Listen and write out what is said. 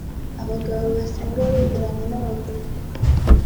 abagabo basenga begeranye n’abagore